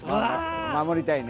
守りたいね。